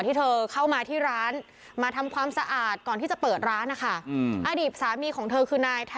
ที่นำจากที่นำอากาศติดทางทั้งหมดเลยค่ะ